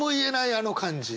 あの感じ。